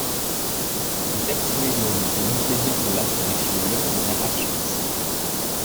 Sechs Millionen Jugendliche verlassen die Schule ohne Abschluss.